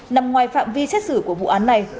nằm ngoài phạm vi xét xử của vụ án này